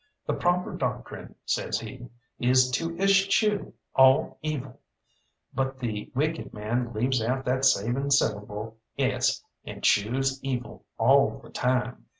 The proper doctrine, says he, is to eschew all evil, but the wicked man leaves out that saving syllable es, and chews evil all the time.